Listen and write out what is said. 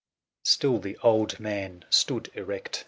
Still the old man stood erect.